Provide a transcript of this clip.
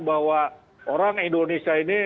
bahwa orang indonesia ini